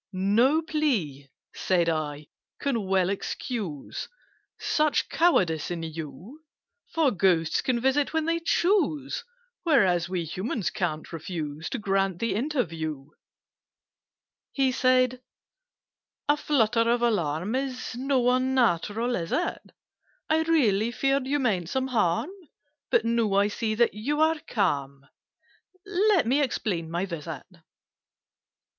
"No plea," said I, "can well excuse Such cowardice in you: For Ghosts can visit when they choose, Whereas we Humans ca'n't refuse To grant the interview." He said "A flutter of alarm Is not unnatural, is it? I really feared you meant some harm: But, now I see that you are calm, Let me explain my visit.